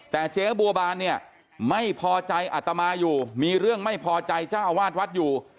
แต่เจ๊บัวบานเนี่ยไม่พอใจอัตมาอยู่มีเรื่องไม่พอใจเจ้าอาวาสวัดอยู่